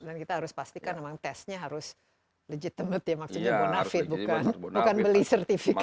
dan kita harus pastikan memang testnya harus legitimate ya maksudnya bonafit bukan beli sertifikat